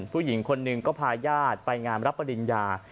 ผู้หญิงคนหนึ่งก็พาญาติไปงานรับปริญญา